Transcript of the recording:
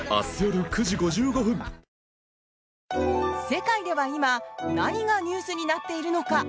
世界では今何がニュースになっているのか。